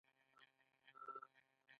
د بوی د حس د ورکیدو لپاره باید څه وکړم؟